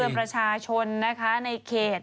ประชาชนนะคะในเขต